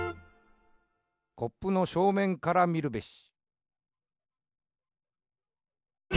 「コップのしょうめんからみるべし。」